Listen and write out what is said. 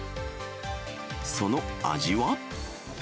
その味は。